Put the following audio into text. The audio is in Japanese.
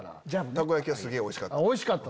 たこ焼きはすげぇおいしかった。